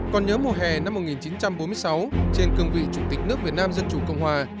còn nhớ mùa hè năm một nghìn chín trăm bốn mươi sáu trên cương vị chủ tịch nước việt nam dân chủ cộng hòa